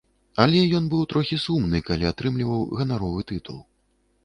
Але ён быў трохі сумны, калі атрымліваў ганаровы тытул.